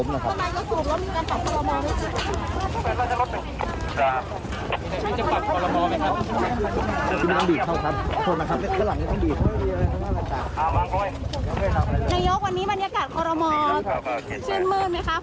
นายกวันนี้บรรยากาศคอรมอลชื่นมืดไหมคะ